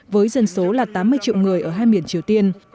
với dân số là tám mươi triệu người ở hai miền triều tiên